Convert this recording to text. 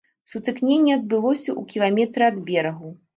Сутыкненне адбылося ў кіламетры ад берагу.